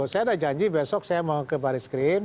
saya ada janji besok saya mau ke baris krim